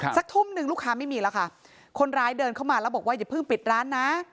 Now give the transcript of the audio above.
สักทุ่มหนึ่งลูกค้าไม่มีแล้วค่ะคนร้ายเดินเข้ามาแล้วบอกว่าอย่าเพิ่งปิดร้านนะ